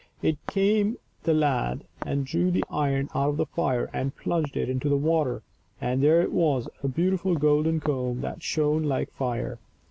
In came the lad and drew the iron out of the fire and plunged it into the water, and there it was a beautiful golden comb that shone like fire.